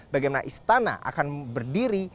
bagaimana istana akan berdiri